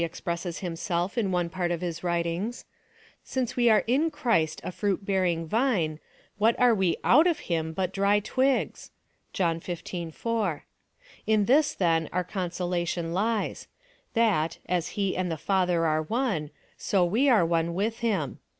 expresses himself in one part of liis writings —" Since we are in Christ a fruit bearing vine, what are we out of him but dry twigs ?" (John xv. 4.) In this, then, our consolation lies — that, as he and the Father are one, so we are one with him.